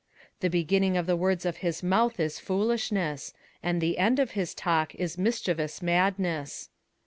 21:010:013 The beginning of the words of his mouth is foolishness: and the end of his talk is mischievous madness.